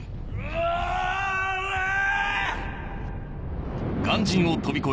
おらぁ！